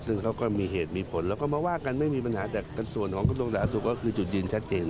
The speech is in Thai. ซึ่งเขาก็มีเหตุมีผลแล้วก็มาว่ากันไม่มีปัญหาแต่ส่วนของกระทรวงสาธารณสุขก็คือจุดยืนชัดเจน